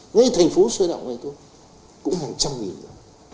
ngay thành phố sôi động này thôi cũng hàng trăm nghìn rồi